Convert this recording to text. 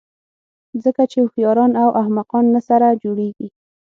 ځکه چې هوښیاران او احمقان نه سره جوړېږي.